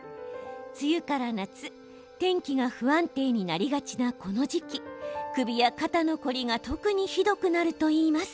梅雨から夏、天気が不安定になりがちなこの時期首や肩の凝りが特にひどくなるといいます。